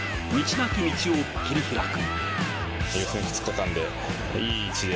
なき道を切り開く。